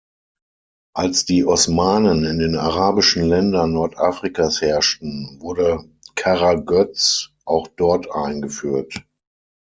Als die Osmanen in den arabischen Ländern Nordafrikas herrschten, wurde Karagöz auch dort eingeführt.